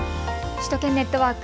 首都圏ネットワーク。